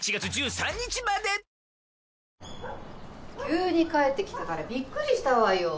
急に帰って来たからびっくりしたわよ。